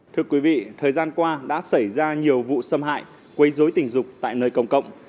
thưa quý vị thời gian qua đã xảy ra nhiều vụ xâm hại quấy dối tình dục tại nơi công cộng